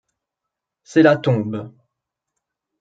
C’est la tombe.